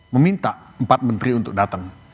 meminta empat menteri untuk datang